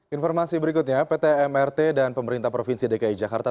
informasi berikutnya pt mrt dan pemerintah provinsi dki jakarta